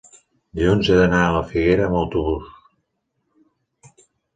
dilluns he d'anar a la Figuera amb autobús.